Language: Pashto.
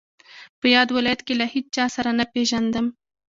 په یاد ولایت کې له هیچا سره نه پېژندم.